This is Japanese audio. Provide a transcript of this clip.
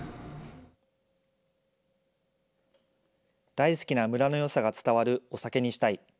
大好きな村のよさが伝わるお酒にしたい。